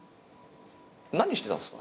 何してたんすか？